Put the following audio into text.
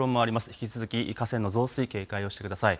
引き続き河川の増水、警戒をしてください。